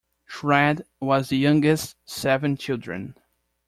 Skrede was the youngest seven children.